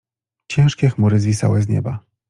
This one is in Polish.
Ciężkie chmury zwisały z nieba.